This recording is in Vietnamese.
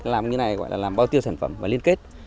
làm như này gọi là làm bao tiêu sản phẩm và liên kết